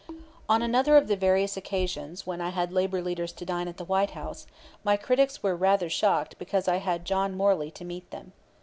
On another of the various occasions when I had labor leaders to dine at the White House, my critics were rather shocked because I had John Morley to meet them.